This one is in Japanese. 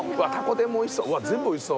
天もおいしそう。